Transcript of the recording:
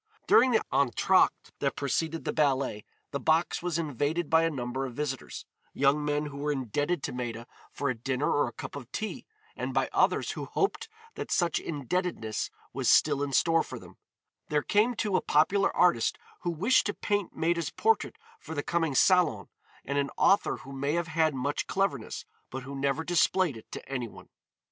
During the entr'acte that preceded the ballet the box was invaded by a number of visitors, young men who were indebted to Maida for a dinner or a cup of tea and by others who hoped that such indebtedness was still in store for them; there came, too, a popular artist who wished to paint Maida's portrait for the coming Salon and an author who may have had much cleverness, but who never displayed it to any one.